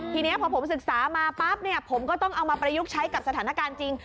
ทีนี้พอผมศึกษามาปั๊บเนี่ยผมก็ต้องเอามาประยุกต์ใช้กับสถานการณ์จริง